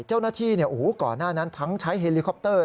เจ้าหน้าที่ก่อนหน้านั้นทั้งใช้เฮลิคอปเตอร์